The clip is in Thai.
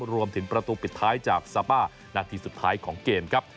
รวมถึงประตูปิดท้ายจากซาป้านาทีสุดท้ายของเกมครับ